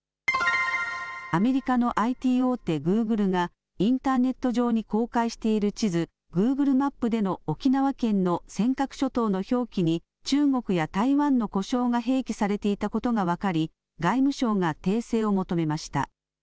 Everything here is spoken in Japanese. アメリカのＩＴ大手、グーグルがインターネット上に公開している地図、グーグルマップでの沖縄県の尖閣諸島の表記に、中国や台湾の呼称が併記されていたことが分かり、外務省が訂正を求めました。